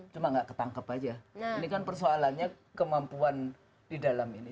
cuma nggak ketangkep aja ini kan persoalannya kemampuan di dalam ini